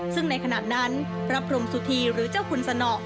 ซึ่งในขณะนั้นพระพรมสุธีหรือเจ้าคุณสนอ